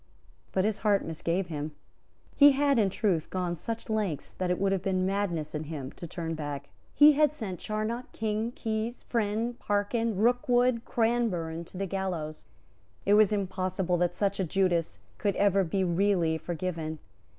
But his heart misgave him. He had, in truth, gone such lengths that it would have been madness in him to turn back. He had sent Charnock, King, Keyes, Friend, Parkyns, Rookwood, Cranburne, to the gallows. It was impossible that such a Judas could ever be really forgiven.